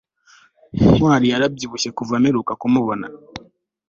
ntwali yarabyibushye kuva mperuka kumubona